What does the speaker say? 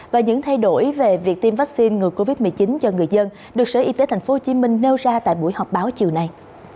và những thay đổi về việc tiêm vaccine ngừa covid một mươi chín cho người dân được sở y tế tp hcm nêu ra tại buổi họp báo chiều nay